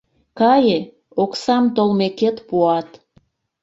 — Кае, оксам толмекет пуат.